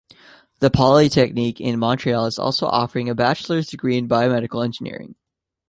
The Polytechnique in Montreal is also offering a bachelors's degree in biomedical engineering.